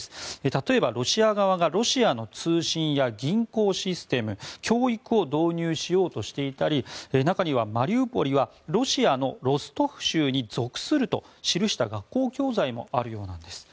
例えばロシア側がロシアの通信や銀行システム教育を導入しようとしていたり中にはマリウポリはロシアのロストフ州に属すると記した学校教材もあるようなんです。